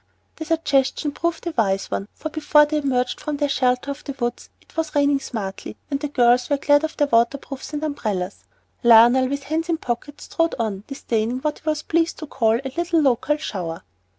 The suggestion proved a wise one, for before they emerged from the shelter of the woods it was raining smartly, and the girls were glad of their water proofs and umbrellas. Lionel, with hands in pockets, strode on, disdaining what he was pleased to call "a little local shower."